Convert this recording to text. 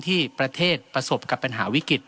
ที่ประเทศประสบกับปัญหาวิกฤต